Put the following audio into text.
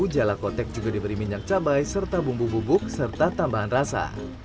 jala kotak juga diberi minyak cabai serta bumbu bubuk serta tambahan rasa